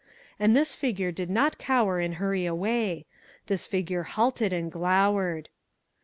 And this figure did not cower and hurry away. This figure halted, and glowered.